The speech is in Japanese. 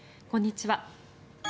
こんにちは。